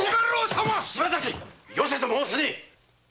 島崎よせと申すに！